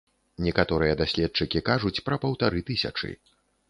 Некаторыя даследчыкі кажуць пра паўтары тысячы.